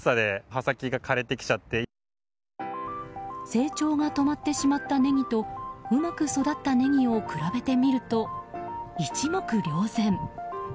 成長が止まってしまったネギとうまく育ったネギを比べてみると一目瞭然。